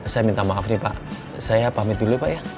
saya minta maaf nih pak saya pamit dulu pak ya